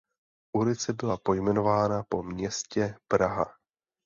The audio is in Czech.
Ulice byla pojmenována po městě Praha.